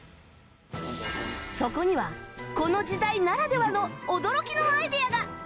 そこにはこの時代ならではの驚きのアイデアが